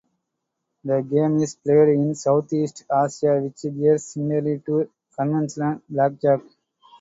The game is played in South East Asia which bears similarity to conventional Blackjack.